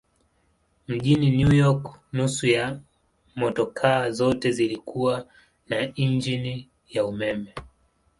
Mjini New York nusu ya motokaa zote zilikuwa na injini ya umeme.